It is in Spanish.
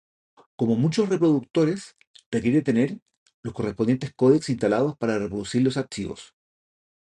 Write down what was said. Como muchos reproductores, requiere tener los correspondientes codecs instalados para reproducir los archivos.